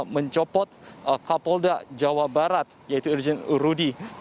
mencopot kapolda jawa barat yaitu irjen rudy